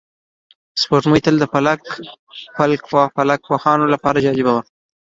سپوږمۍ تل د فلک پوهانو لپاره جالبه وه